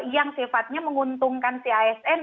yang sifatnya menguntungkan si asn